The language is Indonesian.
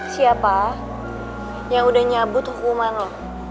siapa yang udah nyabut hukuman loh